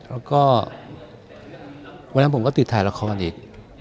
แล้วก็วันนั้นผมก็ติดถ่ายละครอีก